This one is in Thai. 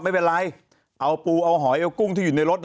ไม่เป็นไรเอาปูเอาหอยเอากุ้งที่อยู่ในรถ